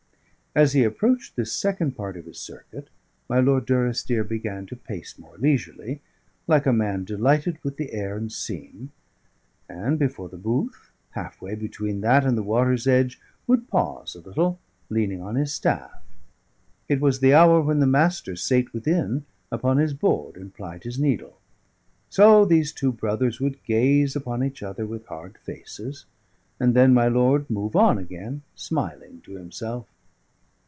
As he approached this second part of his circuit, my Lord Durrisdeer began to pace more leisurely, like a man delighted with the air and scene; and before the booth, half way between that and the water's edge, would pause a little, leaning on his staff. It was the hour when the Master sate within upon his board and plied his needle. So these two brothers would gaze upon each other with hard faces; and then my lord move on again, smiling to himself.